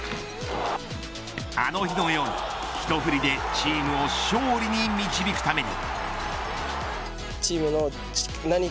この日のように、一振りでチームを勝利に導くために。